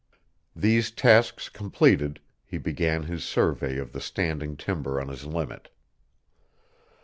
These tasks completed, he began his survey of the standing timber on his limit.